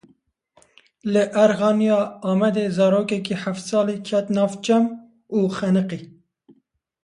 Li Erxeniya Amedê zarokekî heft salî ket nav çem û xeniqî.